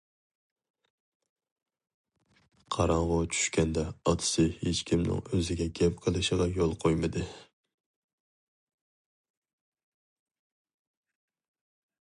قاراڭغۇ چۈشكەندە ئاتىسى ھېچكىمنىڭ ئۆزىگە گەپ قىلىشىغا يول قويمىدى.